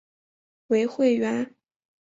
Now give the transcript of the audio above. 为会员。